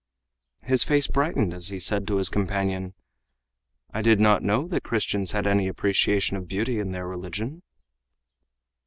His face brightened as he said to his companion: "I did not know that Christians had any appreciation of beauty in their religion."